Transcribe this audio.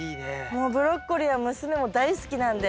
もうブロッコリーは娘も大好きなんで。